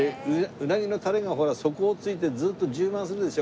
うなぎのタレが底をついてずっと充満するでしょ。